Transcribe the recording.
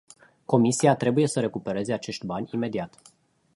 Comisia trebuie să recupereze acești bani imediat.